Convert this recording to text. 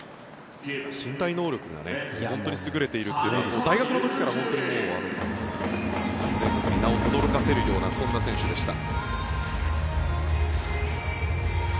身体能力が本当に優れているというのは大学の時から全国に名をとどろかせるようなそんな選手でした。